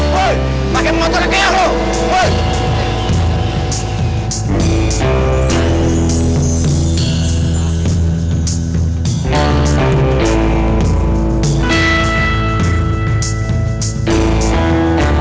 woy makin mengontrol kegiat lo